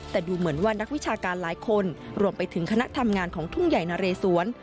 แต่ดูเหมือนว่านักวิชาการหลายคนรวมไปถึงคณะทำงานของทุ่งใหญ่นะเรสวน